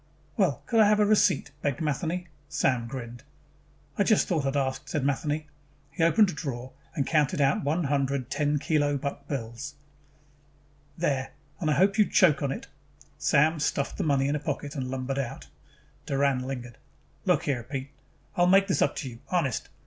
"Well could I have a receipt?" begged Matheny. Sam grinned. "I just thought I'd ask," said Matheny. He opened a drawer and counted out one hundred ten kilo buck bills. "There! And, and, and I hope you choke on it!" Sam stuffed the money in a pocket and lumbered out. Doran lingered. "Look here, Pete," he said, "I will make this up to you. Honest.